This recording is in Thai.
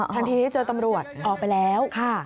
ทันทีเจอตำรวจออกไปแล้วค่ะ